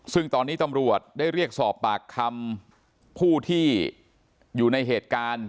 ซึ่งตอนนี้ตำรวจได้เรียกสอบปากคำผู้ที่อยู่ในเหตุการณ์